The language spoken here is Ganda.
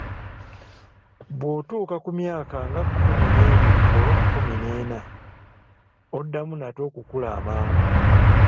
Bw'otuuka ku myaka nga kkumi n'ebiri oba kkumi n'ena, oddamu nate okukula amangu.